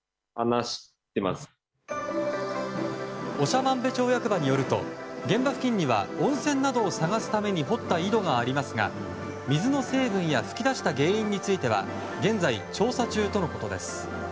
長万部町役場によると現場付近には温泉などを探すために堀った井戸がありますが水の成分や噴き出した原因については現在、調査中とのことです。